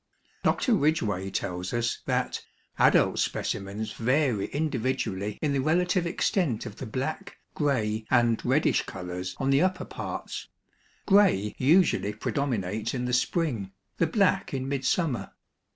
Dr. Ridgway tells us that "Adult specimens vary individually in the relative extent of the black, gray and reddish colors on the upper parts; gray usually predominates in the spring, the black in midsummer.